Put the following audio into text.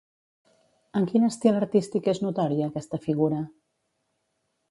En quin estil artístic és notòria aquesta figura?